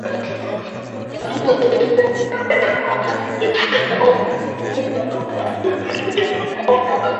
Akuna uchakuzi wala vitu vya upeke